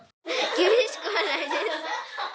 厳しくはないです。